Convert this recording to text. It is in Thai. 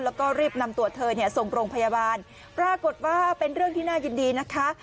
แล้วก็รีบนำตัวเธอเนี่ยส่งโรงพยาบาลปรากฏว่าเป็นเรื่องที่น่ายินดีนะคะ